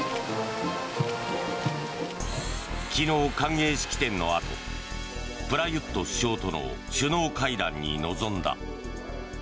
昨日、歓迎式典のあとプラユット首相との首脳会談に臨んだ。